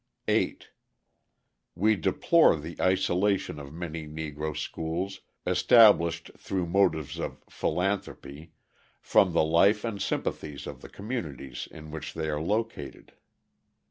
8. We deplore the isolation of many Negro schools, established through motives of philanthropy, from the life and the sympathies of the communities in which they are located.